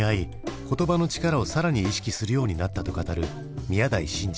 言葉の力を更に意識するようになったと語る宮台真司。